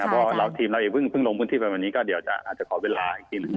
พอเหล่าทีมเราเพิ่งลงพื้นที่แบบนี้ก็เดี๋ยวจะอาจจะขอเวลาอีกทีหนึ่ง